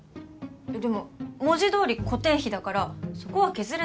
でも文字どおり固定費だからそこは削れないでしょ。